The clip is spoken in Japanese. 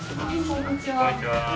こんにちは。